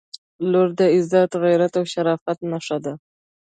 • لور د عزت، غیرت او شرافت نښه ده.